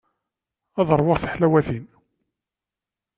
Ad ṛwuɣ tiḥlawatin.